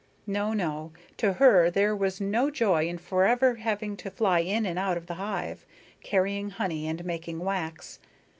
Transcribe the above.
No, no, to her there was no joy in forever having to fly in and out of the hive, carrying honey and making wax.